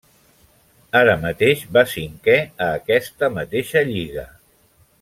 Ara mateix va cinquè a aquesta mateixa lliga.